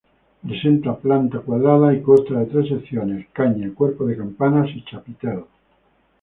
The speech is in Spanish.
Presenta planta cuadrada y consta de tres secciones, caña, cuerpo de campanas y chapitel.